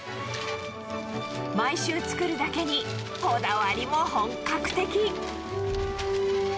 毎週作るだけにこだわりも本格的！